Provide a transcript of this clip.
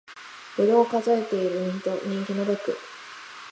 ぶどう数えてる人気の毒